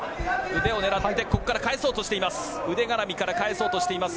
腕を狙ってここから返そうとしています。